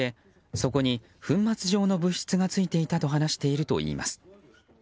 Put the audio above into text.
そこに粉末状の物質がついていたと話しているといいます。